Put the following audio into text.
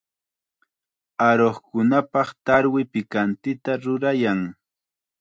Aruqkunapaq tarwi pikantita rurayan.